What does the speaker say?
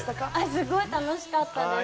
すごく楽しかったです。